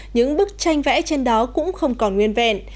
những bức tranh vẽ trên đó cũng không còn nguyên vẹn